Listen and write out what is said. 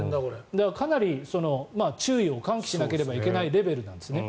かなり注意を喚起しなければいけないレベルなんですね。